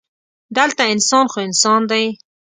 دلته انسان خو انسان دی.